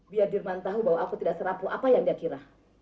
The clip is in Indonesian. biar dirman tahu bahwa aku tidak serapu apa yang dia kira